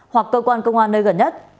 hoặc cơ quan công an nơi gần nhất